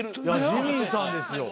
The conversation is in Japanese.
ジミーさんですよ。